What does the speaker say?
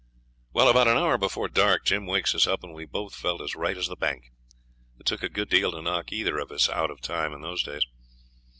Well, about an hour before dark Jim wakes us up, and we both felt as right as the bank. It took a good deal to knock either of us out of time in those days.